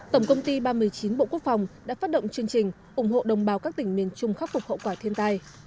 tổng công ty ba trăm một mươi chín bộ quốc phòng đã phát động chương trình ủng hộ đồng bào các tỉnh miền trung khắc phục hậu quả thiên tai